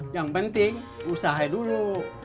yang penting usahai dulu